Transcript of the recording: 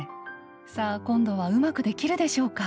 さあ今度はうまくできるでしょうか？